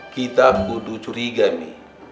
kita butuh curiga mi